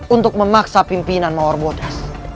untuk memaksa pimpinan mawar bodas